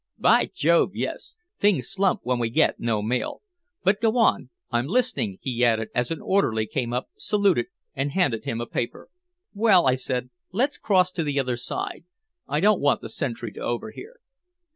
"By Jove, yes! Things slump when we get no mail. But go on I'm listening," he added, as an orderly came up, saluted, and handed him a paper. "Well," I said, "let's cross to the other side. I don't want the sentry to overhear."